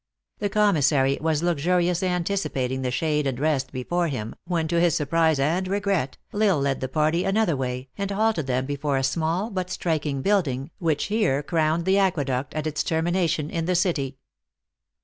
The commissary was luxu riously anticipating the shade and rest before him, when to his surprise and regret, L Isle led the party another way, and halted them before a small but striking building, which here crowned the aqueduct at its termination in the city.